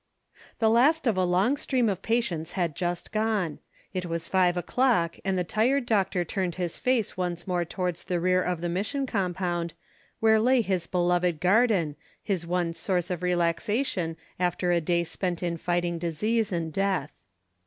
_" The last of a long stream of patients had just gone. It was five o'clock and the tired doctor turned his face once more towards the rear of the Mission Compound, where lay his beloved garden, his one source of relaxation after a day spent in fighting disease and death.